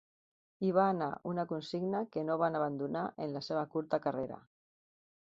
I va anar una consigna que no van abandonar en la seva curta carrera.